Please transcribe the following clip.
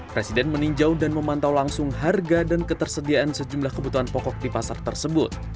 presiden meninjau dan memantau langsung harga dan ketersediaan sejumlah kebutuhan pokok di pasar tersebut